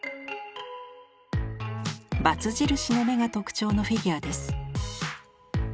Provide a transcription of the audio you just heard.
バツ印の目が特徴のフィギュアです。